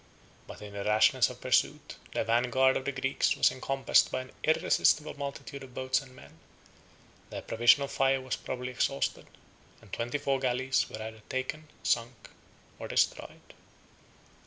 But in the rashness of pursuit, the vanguard of the Greeks was encompassed by an irresistible multitude of boats and men; their provision of fire was probably exhausted; and twenty four galleys were either taken, sunk, or destroyed.